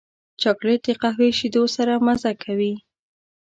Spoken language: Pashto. چاکلېټ د قهوې شیدو سره مزه کوي.